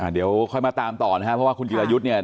เดี๋ยวค่อยมาตามต่อนะครับเพราะว่าคุณจิรายุทธ์เนี่ย